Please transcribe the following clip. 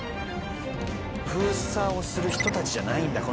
封鎖をする人たちじゃないんだこの人たちは。